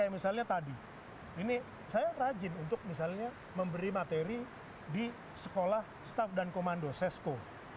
misalnya tadi ini saya rajin untuk misalnya memberi materi di sekolah staff dan komando sesko